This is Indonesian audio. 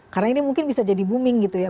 karena ini mungkin bisa jadi booming gitu ya